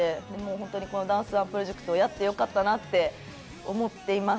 ホントにこのダンスＯＮＥプロジェクトやってよかったなって思っています。